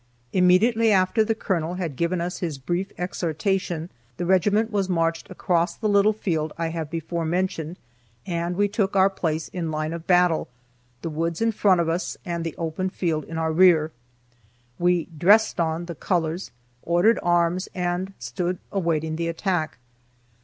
Immediately after the colonel had given us his brief exhortation, the regiment was marched across the little field I have before mentioned, and we took our place in line of battle, the woods in front of us, and the open field in our rear. We "dressed on" the colors, ordered arms, and stood awaiting the attack.